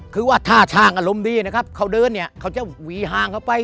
คือว่าถ้าช่างอารมณ์ดีนะครับเขาเดินเนี่ยเขาจะหวีห้างเข้าไป